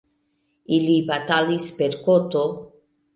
Ili batalis per koto.